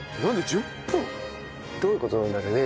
どういう事なんだろうね？